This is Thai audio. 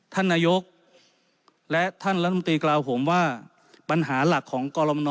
ท่านนายกและท่านรัฐมนตรีกล่าวผมว่าปัญหาหลักของกรมน